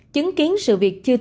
chứng kiến sự việc chưa từng